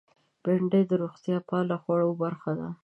بېنډۍ د روغتیا پال خوړو برخه ده